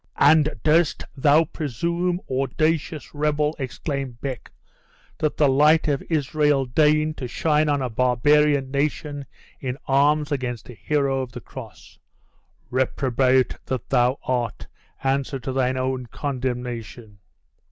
"And durst thou presume, audacious rebel!" exclaimed Beck "that the light of Israel deign, to shine on a barbarian nation in arms against a hero of the cross? Reprobate that thou art, answer to thine own condemnation?